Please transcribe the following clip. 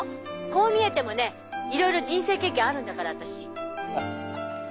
こう見えてもねいろいろ人生経験あるんだから私。